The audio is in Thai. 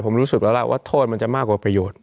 ผมรู้สึกแล้วล่ะว่าโทษมันจะมากกว่าประโยชน์